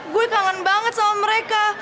gue kangen banget sama mereka